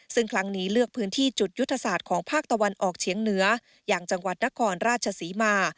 ซึ่งครั้งนี้เลือกพื้นที่จุดยุทธศาสตร์ของภาคตะวันออกเฉียงเหนืออย่างจังหวัดนครราชศรีมา